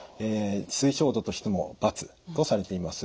推奨度としても×とされています。